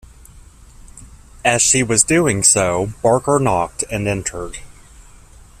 As she was doing so Barker knocked and entered.